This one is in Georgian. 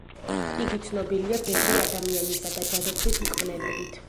იგი ცნობილია ბევრი ადამიანისა და ჯადოქრის მკვლელობით.